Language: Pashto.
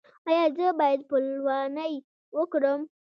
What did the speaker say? ایا زه باید پلوانی وکړم؟